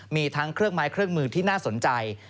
มีทั้งเครื่องไม้เครื่องมือที่น่าสนใจ